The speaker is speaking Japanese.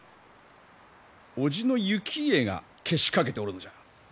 叔父の行家がけしかけておるのじゃ。